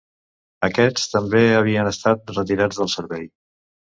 Aquests també havien estat retirats del servei.